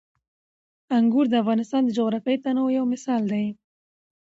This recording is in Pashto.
انګور د افغانستان د جغرافیوي تنوع یو مثال دی.